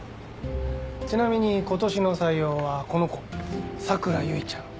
ちなみに今年の採用はこの子佐倉結ちゃん。